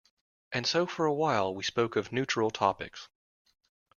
And so for a while we spoke of neutral topics.